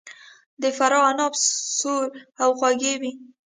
د فراه عناب سور او خوږ وي.